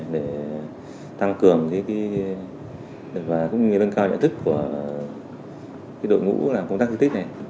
để tăng cường và lân cao nhận thức của đội ngũ làm công tác di tích